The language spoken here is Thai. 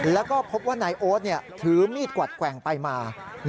แล้วก็พบว่านายโอ๊ตถือมีดกวัดแกว่งไปมา